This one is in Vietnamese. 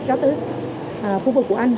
cho tới khu vực của anh